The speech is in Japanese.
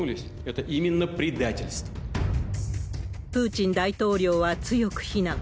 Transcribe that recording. プーチン大統領は強く非難。